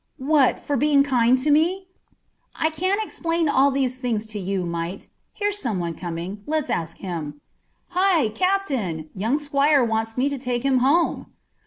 "What, for being kind to me?" "I can't explain all these things to you, mite. Here's someone coming. Let's ask him. Hi! Captain! Young squire wants me to take him home."